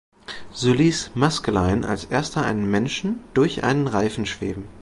So ließ Maskelyne als erster einen Menschen durch einen Reifen schweben.